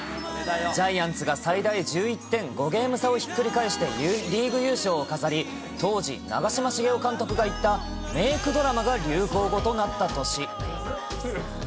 ジャイアンツが最大１１．５ゲーム差をひっくり返して、リーグ優勝を飾り、当時長嶋茂雄監督が言った、メークドラマが流行語となった年。